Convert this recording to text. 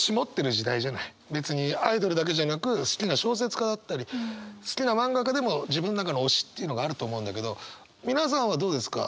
別にアイドルだけじゃなく好きな小説家だったり好きな漫画家でも自分の中の推しっていうのがあると思うんだけど皆さんはどうですか？